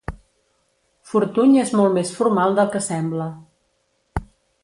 Fortuny és molt més formal del que sembla.